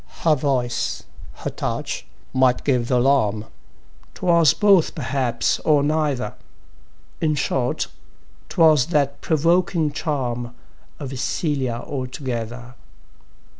Her voice, her touch, might give th' alarm 'Twas both perhaps, or neither; In short, 'twas that provoking charm Of Cælia altogether.